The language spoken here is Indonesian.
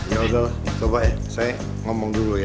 ya udahlah coba ya saya ngomong dulu ya